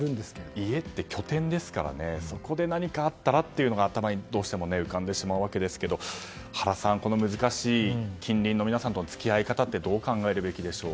家って拠点ですからそこで何かあったらというのがどうしても頭に浮かんでしまうわけですが原さん、難しい近隣の人との付き合い方ってどう考えるべきでしょうか。